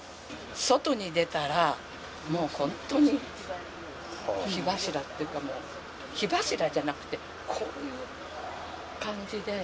外に出たら、もう本当に火柱っていうか、もう、火柱じゃなくて、こういう感じで。